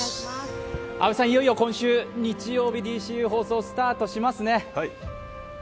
阿部さん、いよいよ今週日曜日「ＤＣＵ」放送スタートしますね。